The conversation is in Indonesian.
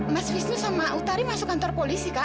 mas wisnu sama utari masuk kantor polisi kak